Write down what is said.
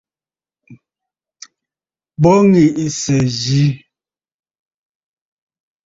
Bo ŋì’ìsǝ̀ yi.